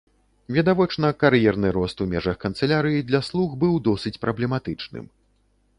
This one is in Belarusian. Відавочна, кар'ерны рост у межах канцылярыі для слуг быў досыць праблематычным.